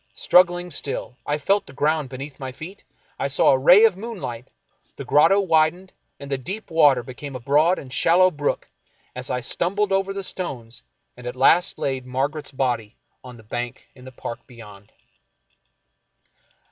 Strug gling still, I felt the ground beneath my feet, I saw a ray of moonlight — the grotto widened, and the deep water became a broad and shallow brook as I stumbled over the stones and at last laid Margaret's body on the bank in the park beyond.